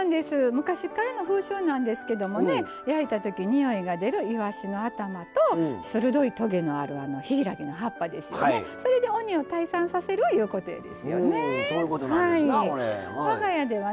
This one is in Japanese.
昔からの風習なんですけど焼いたとき、においが出るいわしの頭と鋭いとげのあるヒイラギの葉っぱでそれで鬼を退散させるいうことなんですよね。